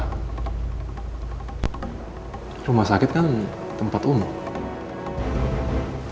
karena rumah sakit kan tempat umum